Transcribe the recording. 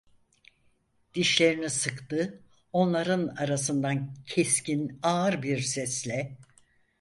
Dişlerini sıktı, onların arasından, keskin, ağır bir sesle: